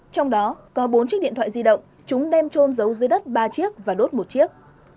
trong đó có bốn chiếc điện thoại di động chúng đem trôn giấu dưới đất ba chiếc và đốt một chiếc